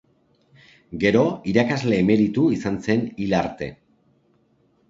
Gero, irakasle emeritu izan zen hil arte.